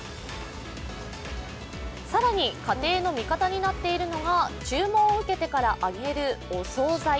更に、家庭の味方になっているのが注文を受けてから揚げるお総菜。